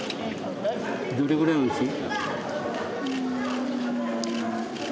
どれぐらいおいしい？